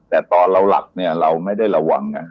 แต่ตอนเราหลับเนี่ยเราไม่ได้ระวังไง